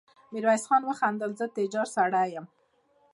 ميرويس خان وخندل: زه تجار سړی يم.